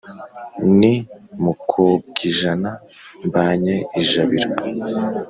ni mukobwijana mbanye ijabiro